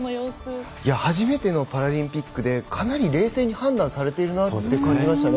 初めてのパラリンピックでかなり冷静に判断されているなと感じましたね。